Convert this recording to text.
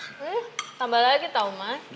hmm tambah lagi tau mas